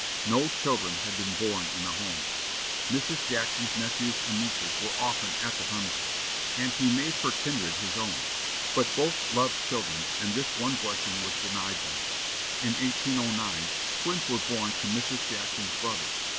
No children had been born in the home. Mrs. Jackson's nephews and nieces were often at the Hermitage, and he made her kindred his own; but both loved children, and this one blessing was denied them. In 1809, twins were born to Mrs. Jackson's brother.